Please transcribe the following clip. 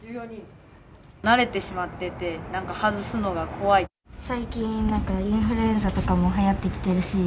慣れてしまってて、なんか外最近、なんかインフルエンザとかもはやってきてるし。